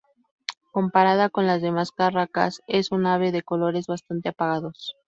Comparada con las demás carracas es un ave de colores bastante apagados.